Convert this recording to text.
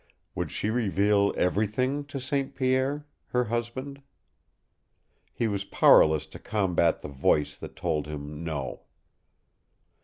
Would she reveal EVERYTHING to St. Pierre her husband? He was powerless to combat the voice that told him no.